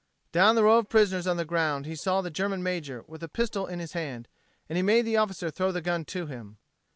Down the row of prisoners on the ground he saw the German major with a pistol in his hand, and he made the officer throw the gun to him.